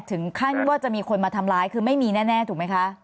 ถึงขั้นว่าจะมีคนมาทำร้ายคือไม่มีแน่ถูกไหมคะ